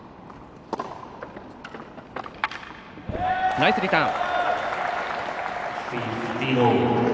ナイスリターン！